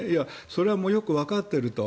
それはもうよくわかっていると。